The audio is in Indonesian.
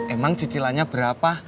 emang cicilannya berapa